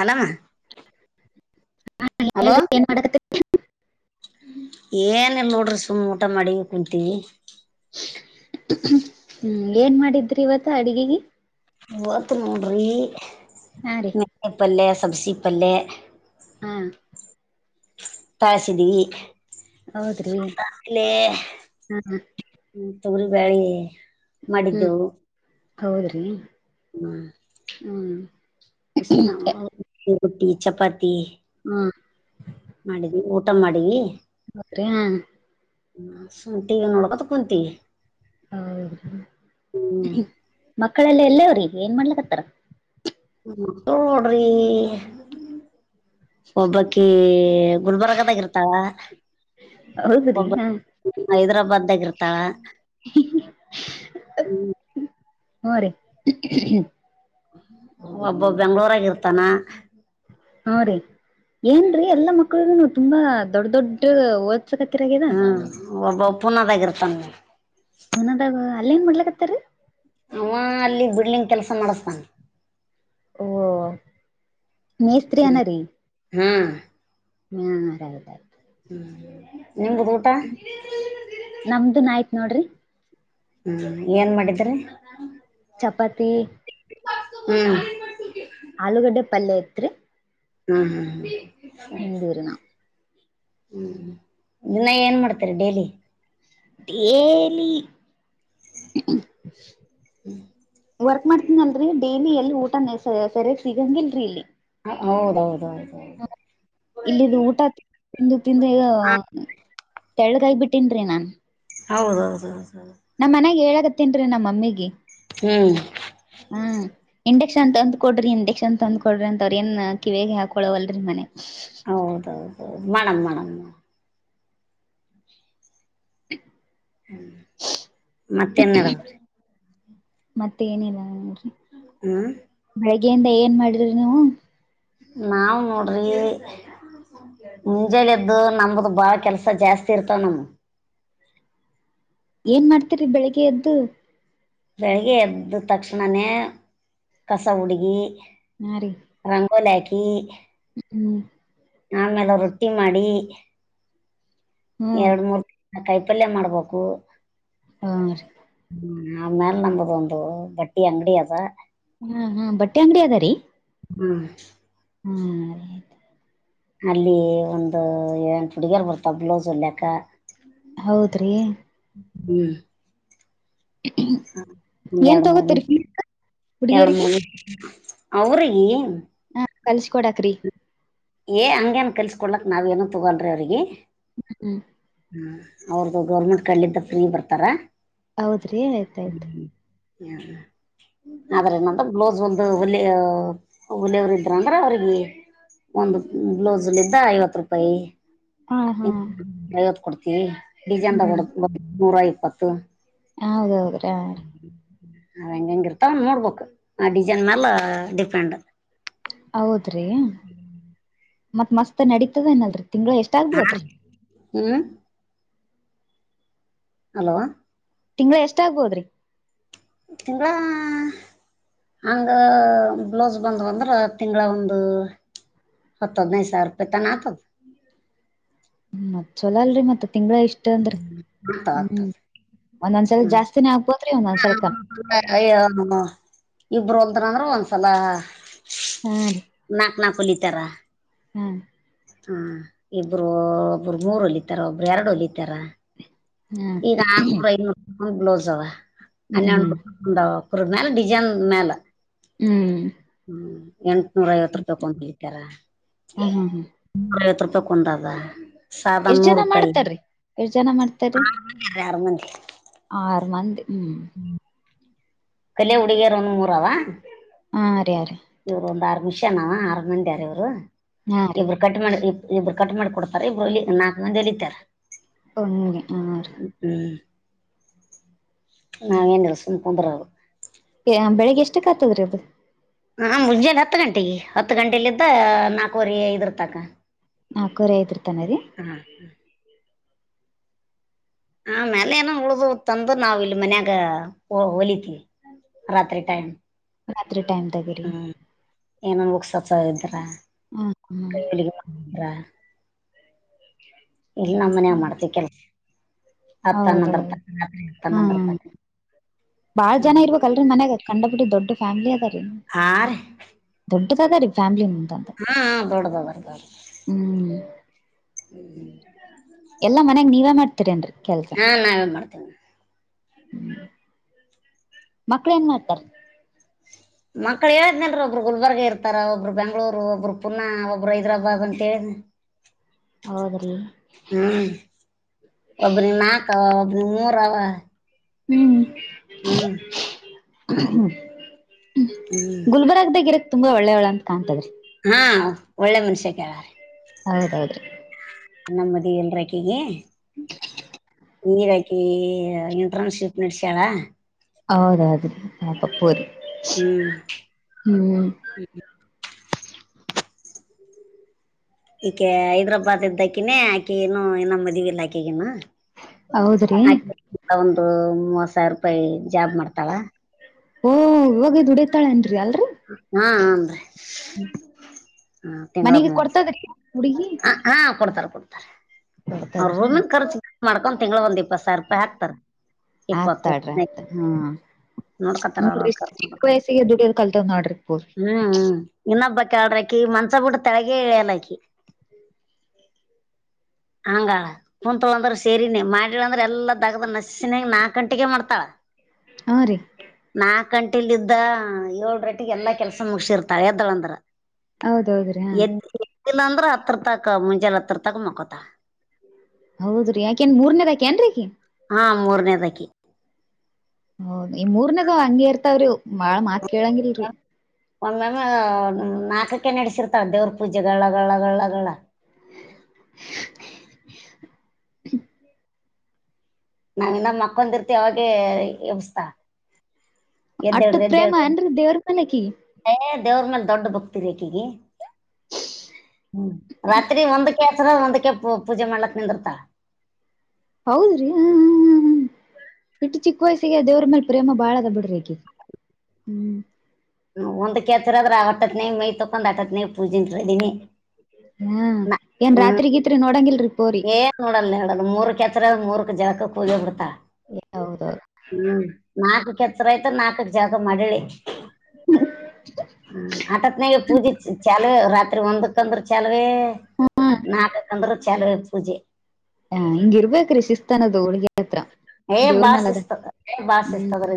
ಅಲಾಮ ಹಾ ಹೇಳ್ ಏನ್ ಮಾಡ ಏನಲ್ ನೋಡ್ರಿ ಸುಮ್ಮ ಊಟ ಮಾಡಿ ಕುಂತೀವಿ ಹ್ಮ್ ಏನ್ ಮಾಡಿದ್ರಿ ಇವತ್ತ ಅಡ್ಗೆಗೆ ಮೂವತ್ತು ಮೂಡ್ರಿ ಹಾ ರೀ ಮೆಲೆಾಯ ಪಲ್ೆ ಸಬ್ಸಿ ಪಲ್ೆ ಹ್ಮ್ ತಳ್ಸಿದೀವಿಲೆ್ಮ ಹೌದ್ರಿ ಹಾ ತಗರಿ ಬಳೆ ಹ್ಮ್ ಮಾಡಿದ್ದೆವುವು ಹೌದ್ರಿ ಹ್ಮ್ ಹ್ಮ್ ರೋಟ್ಟಿ ಚಪಾತಿ ಹ್ಮ ಮಾಡಿದಿ ಊಟ ಮಾಡಿದಿ ಅೆ ಹಾ ಸುಂತೀವಿ ನೋಡಕತ ಕುಂತೀವಿ ಹ ಹ್ಮ್ ಮಕ್ಕಳಲ್ಲ ಎಲ್ಲವ್ರ ಈ ಏನ್ ಮಾಡ್ಲಕ್ಕತ್ತಾರ ಹ ನೋಡ್ರಿ ಒಬ್ಬಕಿ ಗುಲ್ಬರ್ಗದಾಗ ಇರ್ತಾವ ಹೌದ್ರಿ ಒಬ್ಬ ಹಾ ಹೈದರಾಬಾದ್್ದಾಗ ಇರ್ತಾಳ ಹ ರೀ ಒಬ್ಬ ಬೆಂಗ್ಳೂರಾಗಿ ಇರ್ತಾನ ಹ ರರಿ ಏನ್ರೀ ಎಲ್ಲಾ ಮಕ್ಳಗೂನು ತುಂಬಾ ದೊಡ್ ದೊಡ್ಡ ಓದ ಕಕ್ಕಿರಗದಾ ಹ್ಮ್ ಒಬ್ಬ ಪುನದಾಗಿರ್ತಾನ ಪುನದಾಗ ಅಲ್ಲ ಏನ್ ಮಾಡ್ಲಕತ್ತಾರ ಅವ ಅಲ್ಲಿ ಬಿಡ್ಲಿಂಗ ಕೆಲಸ ಮಾಡಿಸತಾನ ಓ ಮೇಸ್ತ್ರಿಯನ ರೀ ಹ್ಮ್ ಹರದ ಹ್ಮ ನಿಮ್ದುದು ಊಟ ನಮ್ದುನ್ ಆಯ್ತ್ ನೋಡ್ರಿ ಹ್ಮ ಏನ್ ಮಾಡಿದ್ರಿ ಚಪಾತಿ ಹ್ಮ್ ಪಲ್ಲಯತ್ರಿ ಹ್ಮ್ ಹ್ಮ್ ಹ ನಾವ್ ಹ್ಮ್ ದನ್ನ ಏನ್ ಮಾಡ್ತರಿ ಡೈಲಿ ಲಿಿ ವರ್ಕ್ ಮಾಡ್ತೀನಿ ಅಲ್ರಿ ಡೈಲಿ ಎಲ್ಲಿ ಊಟ ಸೆರಿಯಾಗಿ ಸಿಗಂಗಿಲ್ರರಿ ಇಲ್ಲಿ ಹೌದೌದೌದು ಹ ಇಲ್ಲಿದು ಊಟ ತಿಂದು ತಿಂದ ಈಗ ತೆಳ್ಗೈ ಬಿಿಟ್ಟೇನ್ರೀ ನಾನ್ ಹೌದೌದೌದು ನಮ್ಮ್ ಮನ್ಯಾಗ ಹೇಳಕತ್ತೇನ್ ರೀ ನಮ್ಮ್ ಮಮ್ಮಿಗೆ. ಹ್ಮ್ ಹಾ ಇಂಡಕ್ಷನ್ ತಂದ್ ಕೊಡ್ರಿ ಇಂಡಕ್ಷನ್ ತಂದ್ ಕೊಡ್ರಿ ಅಂತ ಕಿವಗೆ ಹಾಕೊಳವಲ್ರರಿ ಮನೆ ಹೌದೌದೌದು ಮಣ್ ಮಣಮ ಹ ಮತ್ತೆನ್ಡ ಮತ್ತ ಏನಿಲ್ಲ ಹ್ಮ್ ಬೆಳಗ್ಯಿಂದ ಏನ್ ಮಾಡಿದ್ರಿ ನೀವು ನಾವ್ ನೋಡ್ರಿ ಮುಂಜಳೆದ್ದು ನಮ್ದ ಬಾಳ ಕೆಲ್ಸ ಜಾಸ್ತಿ ಇರ್ತವ ನಮ ಏನ್ ಮಾಡ್ತೀರಿ ಬೆಳಿಗ್ಗೆ ಎದ್ದು. ಬೆಳಗ್ಗೆ ಎದ್ದ್ ತಕ್ಷಣನೆ ಕಸ ಹುಡುಗಿ. ಹಾ ರೀ ರಂಗೋಲೆ ಹಾಕಿ. ಹ್ಮ್ ಆಮೇಲೆ ರೊಟ್ಟಿ ಮಾಡಿ. ಹ್ಮ್ ಎರಡು ಮೂರ್ ತರ ಕೈಪಲ್ಯ ಮಾಡ್ಬೇಕು. ಹಾರಿ. ನಮ್ಮನೇಲ್ ನಮ್ಗದೊಂದು ಬಟ್ಟಿ ಅಂಗಡಿ ಅದ. ಹಾ ಹಾ ಬಟ್ಟೆ ಅಂಗಡಿ ಅದಾರೀ. ಹ್ಮ್ ಹ್ಮ ರೀ ಅತು. ಅಲ್ಲಿ ಒಂದು ಎಂಟ್ ಹುಡುಗಿಯರ್ ಬರ್ತಾವ ಬ್ಲೈಸ್ ಹೊಲಿಯಕ್ಕ. ಹೌದ್ರಿ ಹ್ಮ್ ಹ ಒಂದ ಏನ್ ಎರಡು ಮೂರ್ ತಗೋತರಿ ನಿಮಿಷ ಫೀಸ್ ಎರಡ್ ಹುಡುಗಿಯರಿಗೆ ಮೂರ್ ನಿಮ ಹೌರಿ ಹಾ ಕಲ್ಸಕೊಡಕ್ರಿ. ಏ ಹಂಗೆನ್ ಕಲ್ಸ್ಕಡ್ಲಕ್ ನಾವ್ ಏನು ತೊಗೋಲ್ರಿ ಅವ್ರಿಗೆ. ಹ್ಮ್ ಹ್ಮ್ ಹ ಅವ್ರದುು ಗೌರ್ಮೆಂಟ್ ಕಡ್ಲಿಂದ ಫ್ರೀ ಬರ್ತಾರಾ. ಹೌದ್ರಿ ಆಯ್ತಾಯ್ತು. ಹ ಆದ್ರ ಏನಂದ್ರ ಬ್ಲೌಸ್ ವಲ್ದು ಹುಲಿ ಹೊಲಿಯವರು ಇದ್ರ ಅಂದ್ರ ಅವ್ರಿಗ್ ಒಂದು ಬ್ಲೌಸ್ ಹೊಲ್ದಿದ್ದ ಐವತ್ತು ರೂಪಾಯಿ. ಹಾ ಹಾ [unintelligible] ಐವತ್ತು ಕೊಡ್ತೀವಿ ಡಿಸೈನ್ದಾಗ ಹ್ಮ್ ಹೊಲ್ದ್ರೆ ನೂರ ಇಪ್ಪತ್ತು. ಹೌದೌದ್ರಿ ಹಾರಿ. ಅವ್ ಹೆಂಗೆಂಗ್ ಇರ್ತಾವ ನೋಡ್ಬೆಕು ಆ ಡಿಸೈನ್ ಮ್ಯಾಲ ಡಿಪೆಂಡ್. ಹೌದ್ರಿ ಹ್ಮ್ ಮತ್ ಮಸ್ತ್ ನಡೀತದೆನಲ್ರಿ ತಿಂಗಳ ಎಷ್ಟ್ ಆಗ್ಬೋದ್ರಿ. ಹ್ಮ ಹಲೋ ತಿಂಗಳ ಎಷ್ಟ ಆಗ್ಬೋದ್ರಿ. ತಿಂಗಳ ಹಂಗ ಬ್ಲೌಸ್ ಬಂದ್ವು ಅಂದ್ರ ತಿಂಗಳ ಒಂದು. ಹತ್ ಹದಿನೈದ್ ಸಾವಿರ್ ರೂಪಾಯ್ ತಾನ ಆತದ್. ಹ್ಮ ಮತ್ತ್ ಚಲೋ ಅಲ್ರಿ ಮತ್ ತಿಂಗಳ ಇಷ್ಟ ಅಂದ್ರೆ ಆಗ್ತಾವ ಹ್ಮ್. ಆಗ್ತದೆ ಒಂದೊಂದ್ಸರಿ ಹ್ಞೂ ಜಾಸ್ತಿನೇ ಆಗ್ಬೋದ್ರಿ ಒಂದೊಂದ್ಸಲಿ ಕಮ್ಮಿ ಆಗ್ಬೋದ ಇಬರು ಹೊಲ್ದ್ರಂದ್ರ ಒಂದ್ಸಲ. ಆ ರಿ ನಾಕ್ ವಲಿತರ. ಹ್ಮ್ ಹಾ ಇಬ್ರು ಒಬ್ರು ಮೂರು ಹೊಲಿತಾರ ಒಬ್ರು ಎರಡು ಹೊಲಿತಾರ. ಹಾ ಈಗ ಆರನೂರು ಐನೂರುಕ್ಕೂಂದ್ ಬ್ಲೌಸ್ ಅವ ಹನ್ನೊಂದ್ ಹ್ಮ್ ನೂರು [unintelligible] ಮ್ಯಾಲ್ ಡಿಜೈನ್ ಮ್ಯಲ. ಹ್ಮ್ ನೂರ ಐವತ್ತು ರೂಪಾಯಿ ಕೊಂದ್ ಹೆಳ್ತಾರ ಹ ಹಾ ಹಾ ನೂರ ಐವತ್ತು ರೂಪಾಯಿ ಕೊಂದದ. ಎಷ್ಟ ಜನ ಮಾಡ್ತಾರೀ ಎಷ್ಟ ಜನ ಮಾಡ್ತಾರೀ. ಯಾರ ಮಂದ [unintelligible] ಆರ್ ಮಂದಿ. ಹ್ಮ್ ಕಲ್ಯ ಹುಡುಗಿಯರು ಒನ್ ಮೂರವಾ ಹಾಂ ರೆ ಅ ರೀ ಇವರು ಒಂದ್ ಆರು ನಿಮಿಷನಾವ ಆರ ಮಂದಿಣರಣ್ಣ ಹಾ ಇವ್ರು ರೀ ಇಬ್ರು ಕಟ್ ಮಾಡ ಇಬ್ರು ಕಟ್ ಮಾಡಿ ಕೊಡ್ತಾರ ಇಬ್ರು ನಾಲ್ಕು ಮಂದಿಲಿ ಇತಾರೆ ಹಗೆ ಹ ರ ನಾಂಗ ಎಸ ಪೂಂತರದು ಕತದೆರ ಅದು ನಾ ಮುಂಜಾಲೆ ಹತ್ತು ಗಂಟೆಗೆ ಹತ್ತು ಗಂಟೆಲಿದ್ದ ನಾಲ್ಕವರೆ ಇದರ್ತಕ ನಾ ಕರಿಯ್ ರೀ ಹಾ ಹಾ ಆ ಮ್ಯಾಲ ಏನ ಉಳ್ದ ತಂದ ನಾವ್ ಇಲ್ಲಿ ಮನ್ಯಾಗ ಹೊಲತಿವಿ ರಾತ್ರಿ ಟೈಮ ರಾತ್ರಿ ಟೈಮ ತಗರಿ ಏನನ್ ಬುಕ್ಸಸ ಹ್ಮ್ ಹ್ಮ್ ಇದ್ರ್ರ ಇಲ್ಲ ನಮ್ಮ ಮನ್ ಮಾಡ್ತಿ ಕೆಲ್ಸ ಹತ್ತ್ ಹನ್ನೊಂದರ ಹೌದೌದು ತಕ ರಾತ್ರಿ ಹತ್ತ್ ಹನ್ನೊಂದರ ಹ್ಮ್ ತಕ ಬಾಳ್ ಜನ ಇರ್ಬೇಕಕ್ ಅಲ್ರ ಮನ್ಯಾಗತ್ತ ಕಂಡ ಬಿುಡಿ ದೊಡ್ ಫ್ಯಾಮಲಿ ಅದಲ್ಲಿ ಆ ಒ ತ ಫ್ಯಾಮ್ಲಿ ಮುಂದ ಅಂತ ದೊಡ್ಡದದ ರೀ ದೊಡ್ಡದ ಹ್ಮ ಎಲ್ಲಾ ಮನ್ಯಗ್ ನೀವೇ ಮಾಡ್ತೀರಿನ್ರಿ ಹಾ ನಾವೇ ಮಾಡ್ತೇನೆ ಮಕ್ಳ ನ್ ಮಾಡ್ತಾರ ಮಕ್ಳ ಹೇಳಿದ್ನನ್ಲ್ ಒಬ್ರು ಗುಲ್ಬರ್ಗ ಇರ್ತಾರ ಒಬ್ರು ಬೆಂಗಳೂರು ಒಬ್ರು ಪುನ ಒಬ್ರು ಹೈದರಾಬಾದ್ ಅಂತ ಹೇಳ ಹೌದ್ರಿ ಹ್ಮ್ ಒಬ್ಬರಿ ಮಾತ ನೂರವ ಹ್ಮ್ ಹ್ಮ್ ಹ್ಮ ಹ್ಮ್ ಗುಲ್ಬರ್ಗ್ದಾಗ ಇರಕ್ ತುಂಬಾ ಒಳ್ಳೆ ಒಳ ಅಂತ ಕಾಣ್ತದ್ರಿ ಹಾ ಒಳ್ಳೆ ಮನುಷ್ಯ ಕೇಳ್ರ ಹೌದೌದ್ರಿ ನಮ್ಮದಿ ಎಲ್ರಕ್ಕೆಗೆ ನೀರಾಕಿ ಇಂಟರ್ನ್ಶಿಪ್ ನಡಸಾಳ ಹೌದೌದು ಪಪ್ಪೂರಿ ಹ್ಮ್ ಹ್ಮ್ ಹ್ಮ ಈಕೆ ಹೈದ್ರಾಬಾದ್ ಇದ್ದಕಿನೇ ಆಕೆ ಏನು ನಮ್ಮ ಮದವಿ ಇಲಾಖೆಗನಾ ಹೌದ್ರಿ ಒಂದು ಮೂವತ್ ಸಾವಿರ ರೂಪಾಯಿ ಜಾಬ್ ಮಾಡ್ತಾವ ಓ ಇವಾಗದುಡತಾಳೆ ಅನ್ರರಿ ಅಲ್ರ ಹಾ ನನ್್ರರಿ ಹ ತಿಂಗಳ ಮನೆಗೆ ಮೂರು ಕೊಡ್ತದ್ರಿ ಹುಡುಗಿ ಹಾ ಕೊಡ್ತಾರ ಕೊಡ್ತ ಅವ್ರ ಕೊಡ್ತದ್ರಿ ರೂಮಿನ್ ಖರ್ಚು ಮಾಡ್ಕೊಂಡ್ ತಿಂಗ್ಳ ಒಂದ್ ಇಪ್ಪತ್ ಸಾವಿರ ರೂಪಾಯಿ ಹಾಕ್ತಾರ ಇಪ್ಪ ಆತಾಡ್ರಿ ಆತ್ ಹಾ ನೋಡ್ಕತರ ಅವ್ರವ ನೋಡ್ರಿ ಕ ಚಿಕ್ಕ ನೋಡ್ಕ ವಯಸ್ಸಿಗೆ ದುಡಿಯೋದ್ ಕಲ್ತವ್ ನೋಡ್ರಿ ಪೂರ್ ಹ್ ಇ ಕಡರಾಕಿ ಮಂಚಪುಟ್ಟ ತಳಗೆ ಇಾಲಕಿ ಹಂಗಳ ಕುತ್ ಅಂದ್ರ ಸೇರಿನೇ ಮಾಡಿಳ ಅಂದ್ರ ಎಲ್ಲಾ ದಗ್ದ ನಸಿನಾಗ ನಾಕಕ್ ಗಂಟೆಗೆ ಮಾಡ್ತಾಳ ಹಾ ರೀ ಕಂಟಿಲ್ ಇದ್ದ ಏಳ ರಟ್ಟಿಗೆ ಎಲ್ಲಾ ಕೆಲ್ಸ ಮುಗಸಿರ್ತಾಳ ಎದ್ದಳಂದ್ರ ಹೌದೌದ್ರಿ ಹಾ ಇಲ್ಲ ಅಂದ್ರ ಹತ್ರ ತಕ ಮುಂಜೆ ಹತ್ರಿರ ತಕ ಮಕೊತ ಹೌದ್ರಿ ಯಾಕಏನ್ ಮೂರ್ನೇದಾಕಏನ್ರೀಗ ಹ ಮೂರನೇದಕ್ಕೆ ಹದ ಈ ಮೂರ್ನಗ ಹಂಗಿ ಇರ್ತಾವ್ರಿ ಬಾಳ ಮಾತ್ ಕೇಳಂಗಿಲ್ರಿ ಒಮ್ಮ ನಾಲ್ಕಕ ನಡೆಸಿರ್ತಾರ ದೇವ್ರ ಪೂಜೆಗಳಳಗಳಗಳಳಗಳ ನಾವ ಇ ನ ಮಕ್ಕಂದ ಇರ್ತಿ ಯಾವಾಗೆ ವ್ಯಸ್ಥ ಅಟ್ಟ ಎದ್ದೇಳ್ರ ಪ್ರೇಮ ಎದ್ದೇ್ರಿ ಏನ್ರಿ ದೇವ್ರ ಮೇಲೆ ಆಕಿಗಿ ದೇವ್ರ ಮೇಲೆ ದೊಡ್ಡ ಬಕ್ತಿ ರ ಕೀಗ ಹ್ಮ ರಾತ್ರಿ ಒಂದಕ್ಕೆ ಹೆಸರ ಒಂದಕ್ಕೆ ಪೂ ಪೂಜೆ ಮಾಡ್ಲಕ್ ನಿಂದರ್ತ ಹೌದ್ರಿ ಹ ಇಟ್ಟು ಚಿಕ್ಕ ವಯಸ್ಸಿಗೆ ದೇವ್ರ ಮೇಲೆ ಪ್ರೇಮ ಬಾಳ ಅದ ಬಿಡ್ರಿಗ ಹ್ಮ್ ಒಂದ್ ಕೇತಿರದ್ರ ಆಟ್ಟತ್ನೇ ಮೈ ತಕೊಂಡ್ ಅಟ್ಟತ್ನೇ ಪೂಜೆನ್ರ ಇದೀನಿ ಹಾ ಏನ್ ರಾತ್ರಿಗತ್ರಿ ನೋಡಂಗಿಲ್ರಿ ಪೋರಿ ಏನ್ ನೋಡಲ್ಲ ಹೇಳಲ್ ಮೂರ್ಕ್ ಹೆತ್ರರ ಮೂರ್ಕ್ ಜಗಕ್ಕ ಕೂಗಿ ಬಿಡ್ತಾ ಹೌದೌದು ಹ್ಮ್ ನಾಕಕ್ ಎತ್ತರ ಆಯ್ತ ನಾಲ್ಕಕ್ ಜಾಗ ಮಾಡಲಿ ಹ ಆಟತ್ ನ ಪೂಜೆ ಚಾಲ ರತ್ ರಾತ್ರಿ ಒಂದಕ್ಕ ಅಂದ್ರ ಚಲುವೇ ನಾಲ್ಕಕ್ ಅಂದ್ರ ಚಲುವ ಪೂಜೆ ಹ ಹಿಂಗಿರ್ಬೇಕೇ ರೀ ಶಿಸ್ತನದ ಹಗೆ ಏ ಬಾಾಸಿಸ್ತ ಹ್ಮ್ ಬಾಾಸಿಸ್ತದ್ರ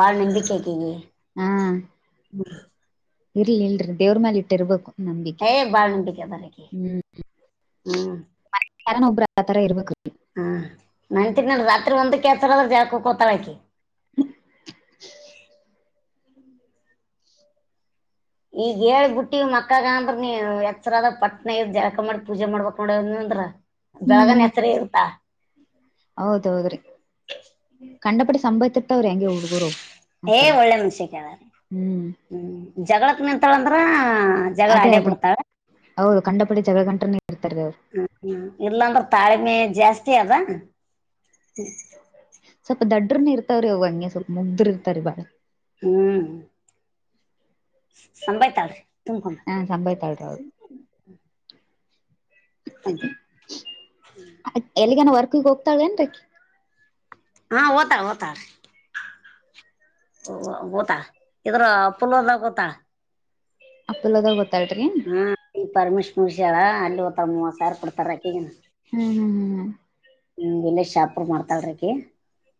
ಬಾಳ ನಂಬಿಕಕ ಈ ಹಾ ಇರ್ಲಿ ಇಲ್ರಿ ದೇವ್ರ ಮಾಲ ಇಟ್ಟಿರ್ಬೇಕು ನಂಬಿಕೆ ಏ ಬಾಳ್ ನಂಬಿಕೆ ಅದಾರ ಆಕಿ ಹ್ಮ್ ಹ್ಮ್ ಮ ಕಾರನ್ ಒಬ್ಬರತರ ಇರವ ಕ ನನ್ಂತಿನ ರಾತ್ರಿ ಒಂದ ಕೆಸರದ್ರ ಜಾ ಕೋತಾಳಾಕಿ ಈಗ ಹೇಳ್ಬ ಬಿಟ್ಟಿ ಮಕ್ಕಗ ಅಂದ್ರ ನೀ ಎಚ್ಚರದ ಪಟ್ನ ಜಳಕ ಮಾಡಿ ಪೂಜೆ ಮಾಡ್ಬೇಕಕ್ ನೋಡವ ನೀ ಅಂದ್ರ ಬಗನ್ ಹ್ಮ್ ಹೆತ್ರರ ಇರುತಾ ಹೌದೌದ್ರಿ ಕಂಡಪಟ್ಟ ಸಂಭವ ಮತ್ತವ್ರ ಹೆಂಗಗೆ ಹುಡ್ಗರು ಏ ಅಂತಾರೆ ಒಳ್ಳೆ ಮನುಷ್ಯ ಕೇಳಾರ ಹ್ಮ್ ಹಾ ಜಗಳ ಅದೇ ಅಡ ಅದೇ ಬಿಡ್ತಾಳೆ ಹೌದು ಕಂಡಪಿ ಜಗಳ ಗಂಟನ ಹ ಇಲ್ಲಾಂದ್ರೆ ತಾಳ್ಮೆ ಜಾಸ್ತಿ ಅದ ಸ್ವಲ್ಪ ದಡ್ಡ್ರನ ಇರ್ತವ್ರಿ ಅವ ಹಂಗೆ ಸ್ವಲ್ಪ ಮುಗ್ದ್ರಿ ಇರ್ತಾರಿರಿ ಬಾಳ ಸಂಭಯ್ತಲ್್ರರಿ ಹಾ ಸಂಭವ ತಾಳರದು ತುಂಬ್ರಿ ಎಲ್ಲಿಗನ ವರ್ಕ್ಗೆ ಹೋಗ್ತಾಳೇಏನ್ರಿೀ ಹಾ ಓತಾ ಓತ ಗೊತ್ತಾ ಇದ್ರ ಪುಲದ ಗೊತ್ತಾ ಅಪ್ಪ್ದಲ್ಲದ ಹಾ ಈ ಪರಮೇಶ್ ಮುರ್ಷಾರ ಅಲ್ಲಿತ್ತ ಸಾರ ಕೊಡ್ತಾರಕ್ಕಗ ಹ್ಮ್ ಹ್ಮ್ ಹ್ಮ್ ಹ್ಮ ಹ ಎಲ್ಲೇ ಶಾಪ ಮಾಡ್ತಾಳ್ರಕಿ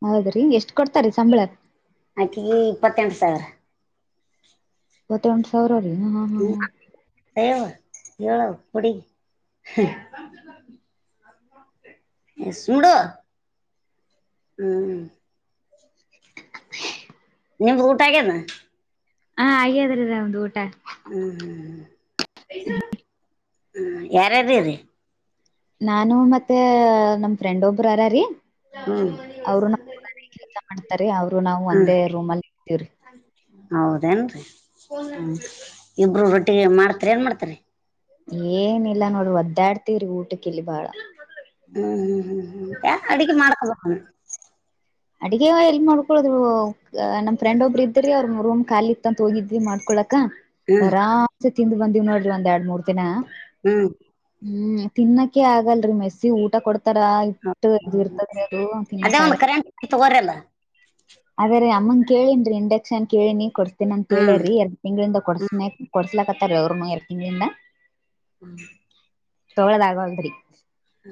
ಹೌದ್ರಿ ಎಷ್ಟ್ ಕೊಡ್ತಾರಾ ಸಂಬಳ ಆಕಿಗೆ ಇಪ್ಪತ್ತೆಂಟು ಸಾವಿರ ಇಪ್ಪತ್ತೆಂಟು ಸಾವಿರ ರೀ ಹಾ ಹಾ ಹಾ ಸಯವ ಹೇಳೋ ಕುಡಿ ಸುಡ ಹ್ಮ್ ನಿಮ್ದು ಊಟಾಗ್ಯನ ಹಾ ಅಯ್ಯದ್ರದ ಒಂದು್ ಊಟ ಹ್ಮ್್ಮ ಯಾರಾರಿ ರೀ ನಾನು ಮತ್ತೆ ನಮ್ ಫ್ರೆಂಡ್ ಒಬ್ಬರು ಅರಾರೀ ಅವರು ನ ಕೆಲ್ಸ ಮಾಡ್ತಾರ ಅವರು ನಾವು ಒಂದೇ ರೂಮಿನಲ್ಲಿಇತೀವ್ರಿ ಹೌದೇನ್ರಿ ಇಬ್ರು ರೊಟ್ಟಿ ಮಾಡ್ತರಿ ಏನ್ ಮಾಡ್ತರಿ ಏನಿಲ್ಲ ನೋಡ್ರಿ ಒದ್ದಾಡ್ತವ್ರಿ ಊಟಕ್ಕಿಲ್ಲಿ ಬಾಳ ಹೂ ಹೂ ಹೂ ಹೂ ಯ ಅಡ್ಗೆ ಮಾಡ್ಕೊಬ ಅಡಗೆ ಎಲ್ ಮಾಡ್ಕೊಳ್ ನಮ್ಮ ಫ್ರೆಂಡ್ ಒಬ್ರು ಇದ್ರ ಅವ್ರು ರೂಮ್ ಖಾಲಿ ಇತ್ತಂತ ಹೋಗಿದ್ವಿ ಮಾಡ್ಕೊಳಕ ಹ್ಮ್ ಆರಾಮ ತಿಿಂದ್ ಬಂದಿವ್ ನೋಡ್ರಿ ಒಂದ ಎಡು ಮೂರ್ ದಿನ ಹೂ ಹೂ ತಿನ್ನಕ್ಕೆೆ ಆಗಲ್ರರಿ ಮೆಸ್ಸಿ ಊಟ ಕೊಡ್ ತರ ಇಟ್ಟು ಇದು ಇರ್ತದೆ ಅದು ತಿನ್ನಕ್ಕ ತಗರಲ್ಲ ಅದ್ರೀ ಅಮ್ಮನ್ ಕೇಳನ್ರಿ ಇಂಡಕ್ಷನ್ ಕೇಳಿ ನೀ ಕೊಡ್ತಿ ಮತ್ತ ನನ್ ಹ್ಮ್ ಕೇಳ್ಯ್ರರಿ ಎರಡ್ ತಿಂಗಳಿಂದ ಹ್ಮ್ ಕೊಡ್ಸನ ಕೊಡ್ಸ್ಲಕತ್ತಾರೀ ಅವರುನು ಎರಡ್ ತಿಂಗಳಿಂದ ತೊಗಳೋದಾಗಲ್ರಿ ಹ